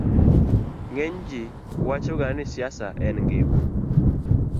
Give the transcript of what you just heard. ng'eny ji wacho ga ni siasa en ngima